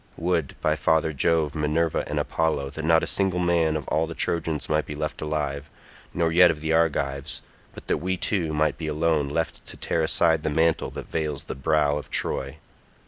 Would, by father Jove, Minerva, and Apollo, that not a single man of all the Trojans might be left alive, nor yet of the Argives, but that we two might be alone left to tear aside the mantle that veils the brow of Troy."